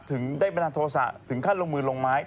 ถึงได้บันดาลโทษะถึงขั้นลงมือลงไม้